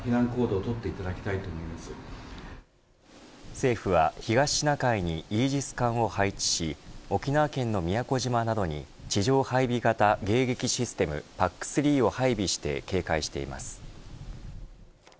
政府は東シナ海にイージス艦を配置し沖縄県の宮古島などに地上配備型迎撃システムＰＡＣ‐３を配備して警戒しています。